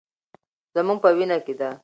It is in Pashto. زموږ په وینه کې ده.